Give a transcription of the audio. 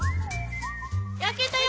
焼けたよ！